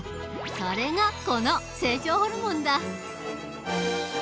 それがこの成長ホルモンだ。